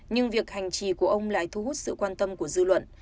nhưng việc hành trì của ông lại thu hút sự quan tâm của dư luận